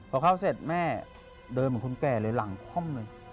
พอเข้าเสร็จแม่เดินเหมือนคนแก่เลยหลังคว่ำเลย